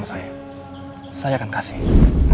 mama sudah dengar semuanya